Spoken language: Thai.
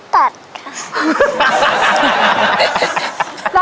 ตัดค่ะ